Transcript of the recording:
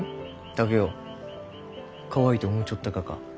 竹雄かわいいと思うちょったがか？